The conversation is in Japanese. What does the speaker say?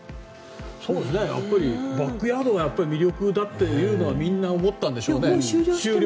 やっぱりバックヤードは魅力だっていうのはみんな思ったんでしょうね。